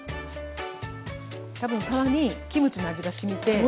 多分さばにキムチの味がしみて。